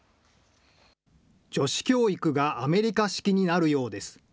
女子教育がアメリカ式になるようです。